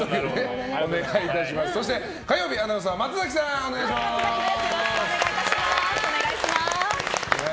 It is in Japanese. そして、火曜日アナウンサーよろしくお願いします。